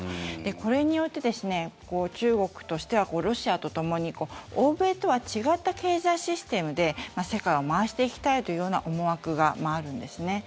これによって中国としては、ロシアとともに欧米とは違った経済システムで世界を回していきたいというような思惑があるんです。